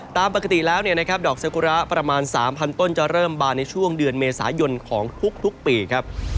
ตามปกติแล้วดอกสกุระประมาณ๓๐๐๐ต้นจะเริ่มบานในช่วงเดือนเมษายนของทุกปี